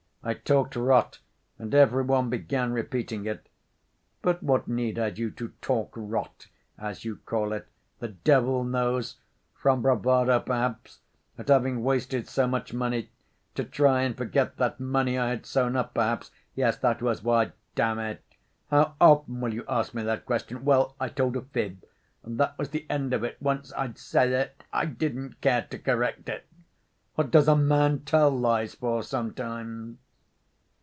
I talked rot, and every one began repeating it." "But what need had you to 'talk rot,' as you call it?" "The devil knows. From bravado perhaps ... at having wasted so much money.... To try and forget that money I had sewn up, perhaps ... yes, that was why ... damn it ... how often will you ask me that question? Well, I told a fib, and that was the end of it, once I'd said it, I didn't care to correct it. What does a man tell lies for sometimes?"